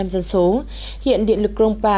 dân số hiện điện lực krongpa